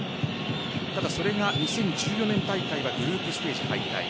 ただ、それが２０１４年大会はグループステージ敗退。